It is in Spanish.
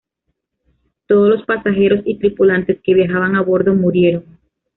Todos los pasajeros y tripulantes que viajaban a bordo murieron.